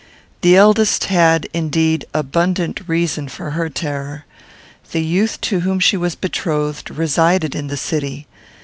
The eldest had, indeed, abundant reason for her terror. The youth to whom she was betrothed resided in the city.